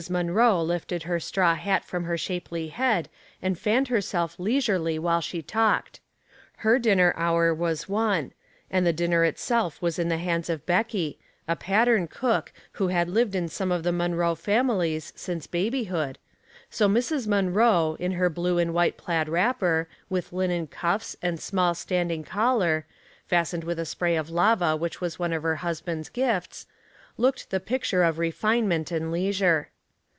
Munroe lifted her straw hat from her shapely head and fanned herself leisurely while she talked. Her dinner hour was one, and the dinner itself was in the hands of Becky — a pattern cook, who had lii?»jd 209 210 Household Puzzles. in some of the Munroe families since babyhood So Mrs. Munroe, in her blue and white plaid wrapper, wilh linen cuffs and small standing collar, fastened with the spray of lava which was one of her husband's c^ifts, looked the pic ture of refinement and leisure.